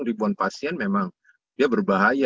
di pun pasien memang dia berbahaya